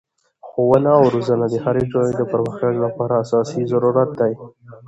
ښوونه او روزنه د هري ټولني د پرمختګ له پاره اساسي ضرورت دئ.